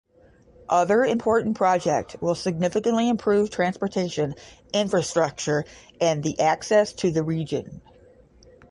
Other important project will significantly improve transportation infrastructure and the access to the region.